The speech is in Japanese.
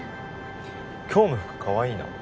今日の服かわいいな。